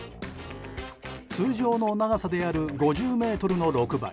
通常の長さである５０ｍの６倍。